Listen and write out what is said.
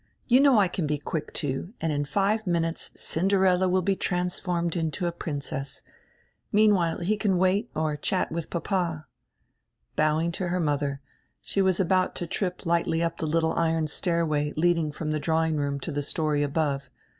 You know I can be quick, too, and in five minutes Cinderella will be transformed into a princess. Meanwiiile he can wait or chat with papa." Bowing to her modier, she was about to trip lightly up die littie iron stairway leading from die drawing room to die story above.